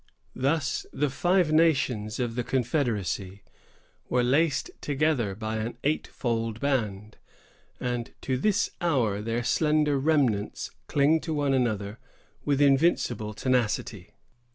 Thus the five nations of the confederacy were laced together by an eight fold band; and to this hour their slender remnants cling to one another with invincible tenacity.